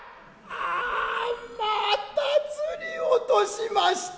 ああまた釣り落としました。